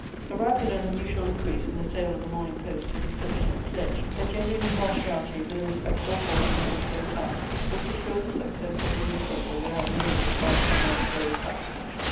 The rapid and unusual increase in the sale of the Morning Post is a sufficient pledge, that genuine impartiality with a respectable portion of literary talent will secure the success of a newspaper without the aid of party or ministerial patronage.